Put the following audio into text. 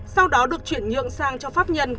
sau đó được chuyển nhượng sang cho pháp nhân